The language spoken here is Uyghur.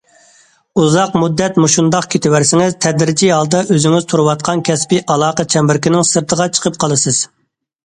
ئۇزاق مۇددەت مۇشۇنداق كېتىۋەرسىڭىز، تەدرىجىي ھالدا ئۆزىڭىز تۇرۇۋاتقان كەسپىي ئالاقە چەمبىرىكىنىڭ سىرتىغا چىقىپ قالىسىز.